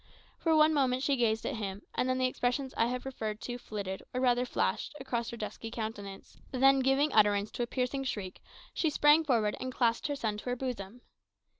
For one moment she gazed at him, and the expressions I have referred to flitted, or rather flashed, across her dusky countenance; then giving utterance to a piercing shriek, she sprang forward and clasped her son to her bosom.